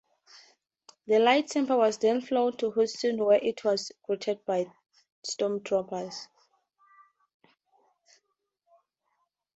The lightsaber was then flown to Houston, where it was greeted by Stormtroopers.